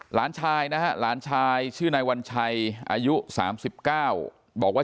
หลานชายนะฮะหลานชายชื่อนายวัญชัยอายุ๓๙บอกว่า